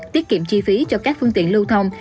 tiết kiệm chi phí cho các phương tiện lưu thông